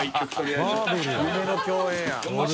夢の共演や。